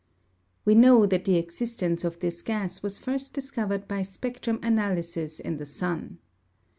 We know that the existence of this gas was first discovered by spectrum analysis in the sun.